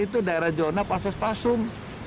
itu daerah zona pasus pasung